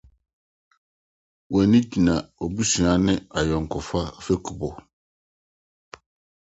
W’ani gyina w’abusua ne ayɔnkofa fekubɔ.